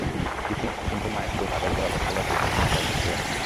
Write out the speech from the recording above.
কিন্তু মায়ের চোখ আকাশ বরাবর খোলা থাকলেও তিনি আকাশ দেখতে পাচ্ছেন না।